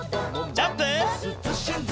ジャンプ！